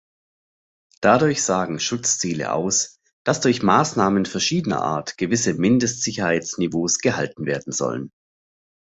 Dadurch sagen Schutzziele aus, dass durch Maßnahmen verschiedener Art gewisse Mindest-Sicherheitsniveaus gehalten werden sollen.